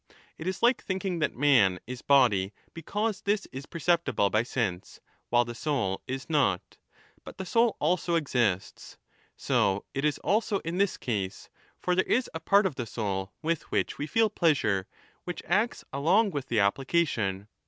It is like thinking that man is body, because this is perceptible by sense, while the soul is not : but the ^ soul also exists. So it is also in this case ; for there is a part of the soul 35 with which we feel pleasure, which acts along with the application.